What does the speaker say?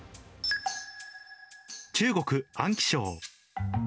中国・安徽省。